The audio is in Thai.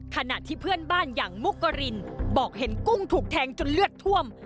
ขณะที่เพื่อนบ้านอย่างมุกกรินบอกเห็นกุ้งถูกแทงจนเลือดท่วม